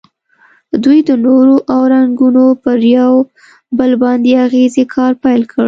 دوی د نور او رنګونو پر یو بل باندې اغیزې کار پیل کړ.